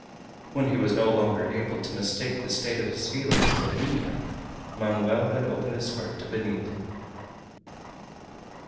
When he was no longer able to mistake the state of his feelings toward Minha, Manoel had opened his heart to Benito.